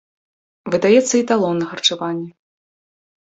Выдаецца і талон на харчаванне.